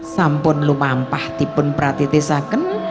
sampun lumampah tipun pratitisaken